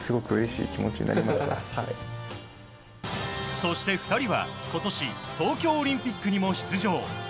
そして２人は今年、東京オリンピックにも出場。